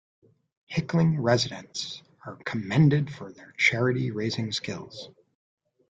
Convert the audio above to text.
Hickling residents are commended for their charity raising skills.